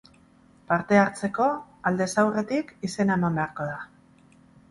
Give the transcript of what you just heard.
Parte hartzeko, aldez aurretik izena eman beharko da.